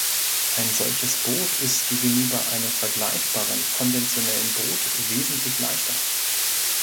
Ein solches Boot ist gegenüber einem vergleichbaren konventionellen Boot wesentlich leichter.